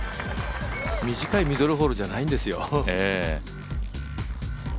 短いミドルホールじゃないんですよ。